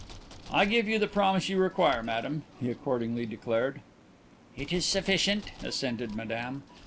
"I give you the promise you require, Madame," he accordingly declared. "It is sufficient," assented Madame.